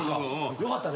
よかったね。